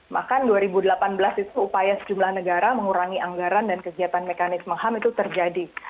bahkan dua ribu delapan belas itu upaya sejumlah negara mengurangi anggaran dan kegiatan mekanisme ham itu terjadi